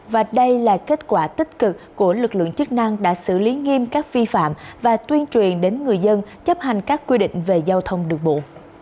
và đây là kết quả tích cực của lực lượng chức năng đã xử lý nghiêm các vi phạm và tuyên truyền đến người dân chấp hành các quy định về giao thông đường bộ